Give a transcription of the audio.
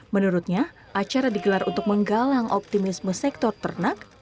menurutnya acara digelar untuk menggalang optimisme sektor ternak